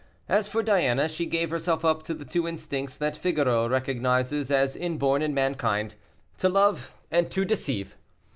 As for Diana, she gave herself up to the two instincts that Figaro recognizes as inborn in mankind, to love and to deceive.